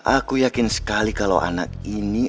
aku yakin sekali kalau anak ini